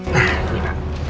nah ini pak